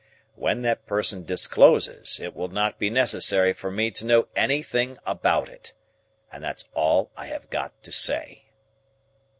When that person discloses, it will not be necessary for me to know anything about it. And that's all I have got to say."